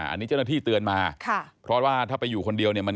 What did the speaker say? อันนี้เจ้าหน้าที่เตือนมาค่ะเพราะว่าถ้าไปอยู่คนเดียวเนี่ย